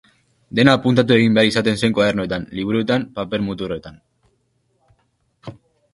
Dena apuntatu egin behar izaten zen koadernoetan, liburuetan, paper muturretan.